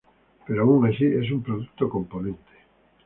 Pero aun así es un producto componente.